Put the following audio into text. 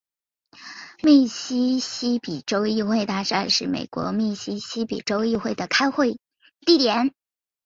密西西比州议会大厦是美国密西西比州议会的开会地点。